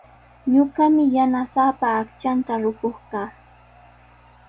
Ñuqami yanasaapa aqchanta rukuq kaa.